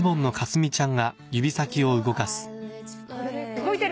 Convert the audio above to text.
動いてる！